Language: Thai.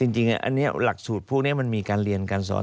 จริงอันนี้หลักสูตรพวกนี้มันมีการเรียนการสอน